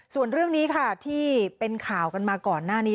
ส่วนเรื่องนี้ค่ะที่เป็นข่าวกันมาก่อนหน้านี้